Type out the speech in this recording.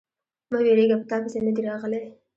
_مه وېرېږه، په تاپسې نه دي راغلی.